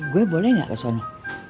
gue boleh gak ke sana